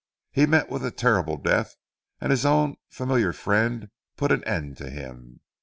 He met with a terrible death, and his own familiar friend put an end to him.